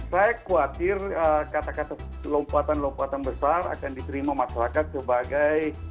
saya khawatir kata kata lompatan lompatan besar akan diterima masyarakat sebagai